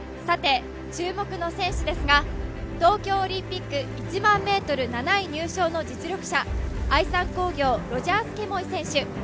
注目の選手ですが、東京オリンピック１００００ｍ７位入賞の実力者愛三工業、ロジャース・ケモイ選手。